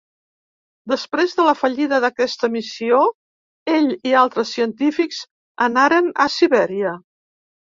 Després de la fallida d'aquesta missió ell i altres científics anaren a Sibèria.